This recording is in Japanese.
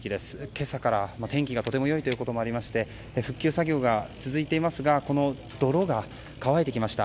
今朝から天気がとても良いということもありまして復旧作業が続いていますがこの泥が乾いてきました。